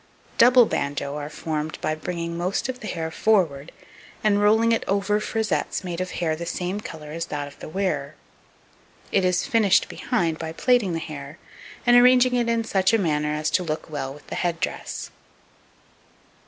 Double bandeaux are formed by bringing most of the hair forward, and rolling it over frizettes made of hair the same colour as that of the wearer: it is finished behind by plaiting the hair, and arranging it in such a manner as to look well with the head dress.